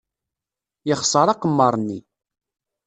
Yexṣer aqemmer-nni.